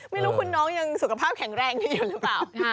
ไม่รู้คุณน้องยังสุขภาพแข็งแรงดีอยู่หรือเปล่า